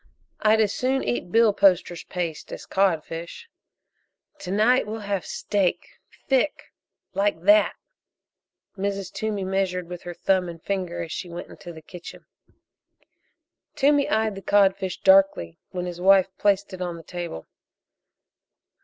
"I'd as soon eat billposter's paste as codfish." "To night we'll have steak thick, like that " Mrs. Toomey measured with her thumb and finger as she went into the kitchen. Toomey eyed the codfish darkly when his wife placed it on the table.